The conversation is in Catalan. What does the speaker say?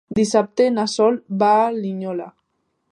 Dissabte na Sol va a Linyola.